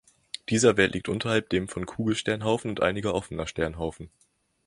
Dieser Wert liegt unterhalb dem von Kugelsternhaufen und einiger offener Sternhaufen.